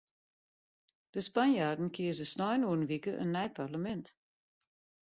De Spanjaarden kieze snein oer in wike in nij parlemint.